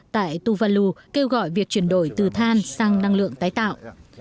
tại tuvalu kêu gọi việc chuyển đổi từ than sang năng lượng tái tạo